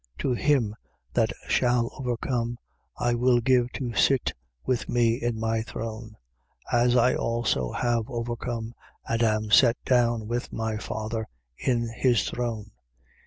3:21. To him that shall overcome, I will give to sit with me in my throne: as I also have overcome and am set down with my Father in his throne.